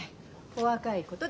お若いことで。